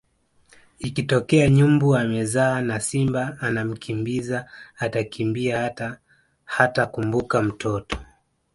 Ikitokea nyumbu amezaa na simba anamkimbiza atakimbia hata hatakumbuka mtoto